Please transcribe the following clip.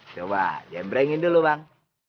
coba jembrengin dulu bang